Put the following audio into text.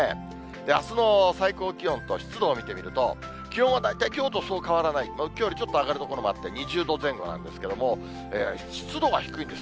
あすの最高気温と湿度を見てみると、気温は大体きょうとそう変わらない、きょうよりちょっと上がる所もあって、２０度前後なんですけれども、湿度が低いんです。